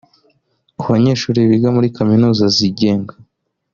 Ku banyeshuri biga muri kaminuza zigenga